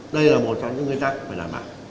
đây là một trong những nguyên tắc phải đảm bảo